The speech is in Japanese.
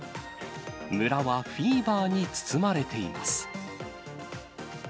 村はフィーバーに包まれています。